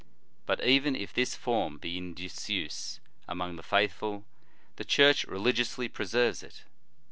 But even if this form be in disuse among the faithful, the Church reli giously preserves it.